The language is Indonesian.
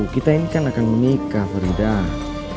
kita ini kan akan menikah frida